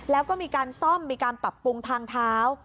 แล้วก็มีการซ่อมมีการปรับปรุงทางเท้า